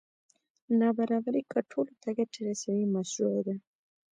نابرابري که ټولو ته ګټه رسوي مشروع ده.